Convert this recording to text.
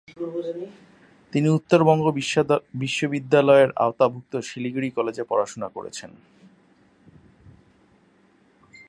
তিনি উত্তরবঙ্গ বিশ্ববিদ্যালয়ের আওতাভুক্ত শিলিগুড়ি কলেজে পড়াশোনা করেছেন।